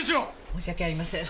申し訳ありません。